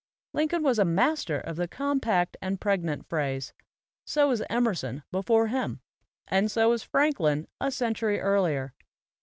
Lincoln was a master of the compact and pregnant phrase; so was Emerson before him; and so was Franklin a century earlier.